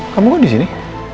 kamu kok disini